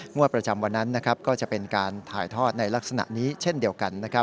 งวดประจำวันนั้นก็จะเป็นการถ่ายทอดในลักษณะนี้เช่นเดียวกัน